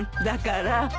だから。